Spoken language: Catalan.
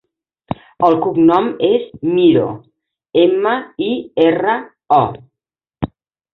El cognom és Miro: ema, i, erra, o.